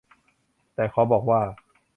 แต่ขอบอกว่า